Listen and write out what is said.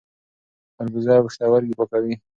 خربوزه پښتورګي پاکوي.